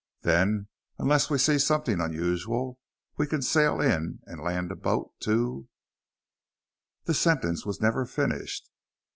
"Then, unless we see something unusual, we can sail in and land a boat to " The sentence was never finished.